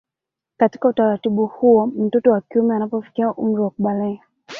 Katika utaratibu huo mtoto wa kiume anapofikia umri wa kubalehe